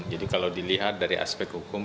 jadi kalau dilihat dari aspek hukum